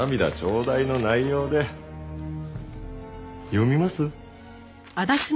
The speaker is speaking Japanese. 読みます？